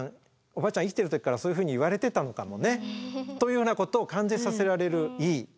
おばあちゃん生きてる時からそういうふうに言われてたのかもね。というようなことを感じさせられるいい語りかけでした。